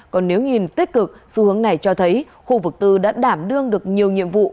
còn nếu nhìn tích cực xu hướng này cho thấy khu vực tư đã đảm đương được nhiều nhiệm vụ